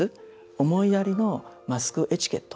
思いやりのマスクエチケット